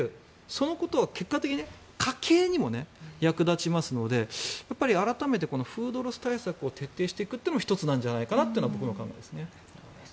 そのことは結果的に家計にも役立ちますので改めて、フードロス対策を徹底していくのも１つではというのが僕の考え方ですね。